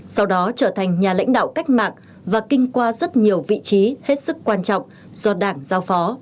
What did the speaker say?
sau đó trở thành nhà lãnh đạo cách mạng và kinh qua rất nhiều vị trí hết sức quan trọng do đảng giao phó